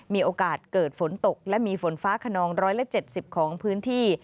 มีโอกาสเกิดฝนตกและมีฝนฟ้าขนอง๑๗๐ของพื้นที่